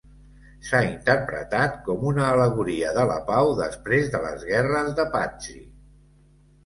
S'ha interpretat com un al·legoria de la pau després de les guerres de Pazzi.